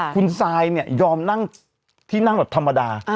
คุณซายเนี่ยยอมนั่งที่นั่งแบบธรรมดา